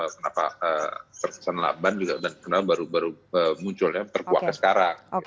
kenapa terkesan laban juga dan kenapa baru baru munculnya terbuat ke sekarang